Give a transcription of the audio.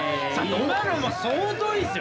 今のも相当いいっすよ。